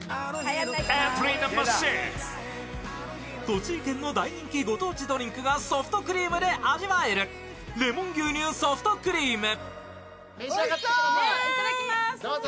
栃木県の大人気ご当地ドリンクがソフトクリームで味わえるレモン牛乳ソフトクリーム。